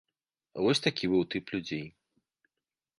Вось такі быў тып людзей.